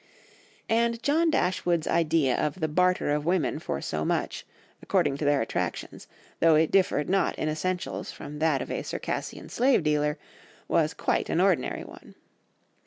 And John Dashwood's idea of the barter of women for so much, according to their attractions, though it differed not in essentials from that of a Circassian slave dealer, was quite an ordinary one.